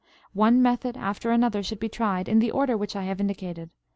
One method after another should be tried in the order which I have indicated.